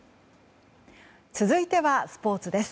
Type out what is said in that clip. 続いてはスポーツです。